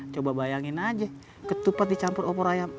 coba bayangin aja ketupat dicampur opor ayam